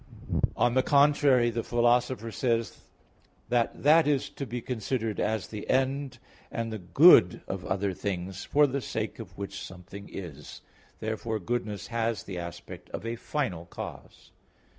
On the contrary, The Philosopher says (Phys. ii) that "that is to be considered as the end and the good of other things, for the sake of which something is." Therefore goodness has the aspect of a final cause.